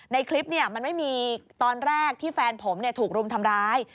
ในคลิปมันไม่มีตอนแรกที่แฟนผมถูกรุมทำร้าย